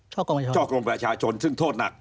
ช่อกลงประชาชนซึ่งโทษหนัก